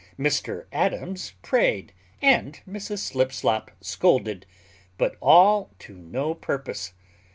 Mr Adams prayed, and Mrs Slipslop scolded; but all to no purpose.